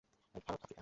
Bharat, Africa.